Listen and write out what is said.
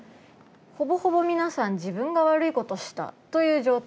ほぼほぼ皆さん自分が悪いことしたという状態で来るんですよね。